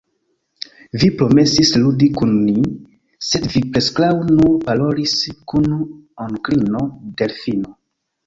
Vi promesis ludi kun ni, sed vi preskaŭ nur parolis kun onklino Delfino.